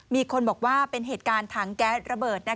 มีคนบอกว่าเป็นเหตุการณ์ถังแก๊สระเบิด